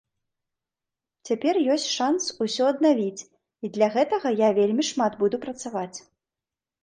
Цяпер ёсць шанс усё аднавіць, і для гэтага я вельмі шмат буду працаваць.